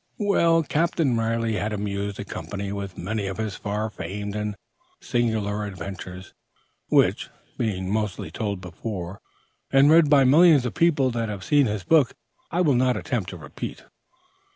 Well, Captain Riley had amused the company with many of his far famed and singular adventures, which, being mostly told before and read by millions of people that have seen his book, I will not attempt to repeat.